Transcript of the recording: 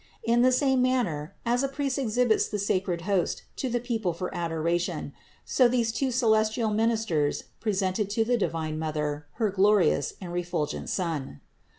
In the same manner as a priest exhibits the sacred host to the people for adoration, so these two celestial ministers presented to the divine Mother her glorious and refulgent Son.